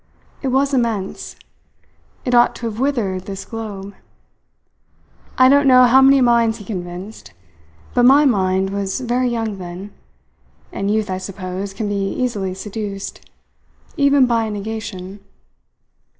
It was immense. It ought to have withered this globe. I don't know how many minds he convinced. But my mind was very young then, and youth I suppose can be easily seduced even by a negation.